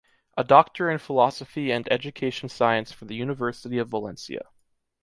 A Doctor in Philosophy and Education Science for the University of Valencia.